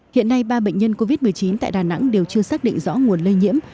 hiện nay ba bệnh nhân covid một mươi chín tại đà nẵng đều chưa xác định rõ nguồn lây nhiễm